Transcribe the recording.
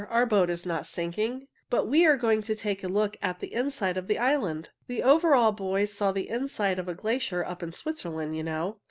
"Our boat is not sinking, but we are going to take a look at the inside of the island. The Overall Boys saw the inside of a glacier up in Switzerland, you know."